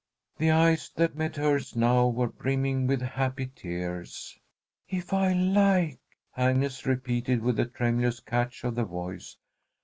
The eyes that met hers now were brimming with happy tears. "If I like," Agnes repeated, with a tremulous catch of the voice.